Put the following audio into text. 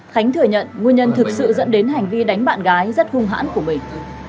khánh thừa nhận nguyên nhân thực sự dẫn đến hành vi đánh bạn gái rất hung hãn của mình